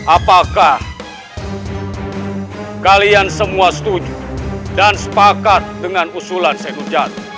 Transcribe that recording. apakah kalian semua setuju dan sepakat dengan usulan sehujat